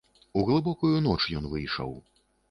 У глыбокую ноч ён выйшаў.